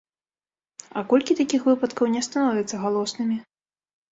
А колькі такіх выпадкаў не становяцца галоснымі?